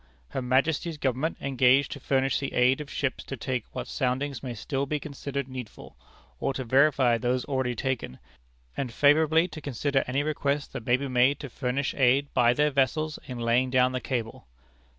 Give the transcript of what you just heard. Her Majesty's Government engage to furnish the aid of ships to take what soundings may still be considered needful, or to verify those already taken, and favorably to consider any request that may be made to furnish aid by their vessels in laying down the cable.